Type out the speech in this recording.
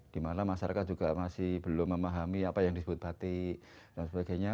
di mana masyarakat juga masih belum memahami apa yang disebut batik dan sebagainya